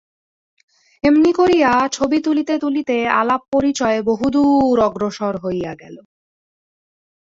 এমনি করিয়া ছবি তুলিতে তুলিতে আলাপ পরিচয় বহুদূর অগ্রসর হইয়া গেল।